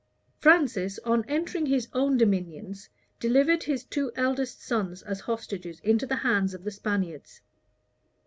Francis, on entering his own dominions, delivered his two eldest sons as hostages into the hands of the Spaniards.